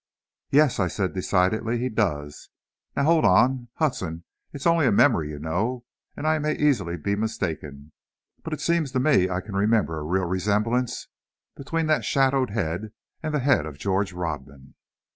"Yes," I said, decidedly, "he does! Now, hold on, Hudson, it's only a memory, you know, and I may easily be mistaken. But it seems to me I can remember a real resemblance between that shadowed head and the head of George Rodman."